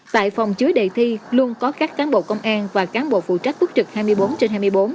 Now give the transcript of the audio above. tại phòng chứa đề thi luôn có các cán bộ công an và cán bộ phụ trách búc trực hai mươi bốn trên hai mươi bốn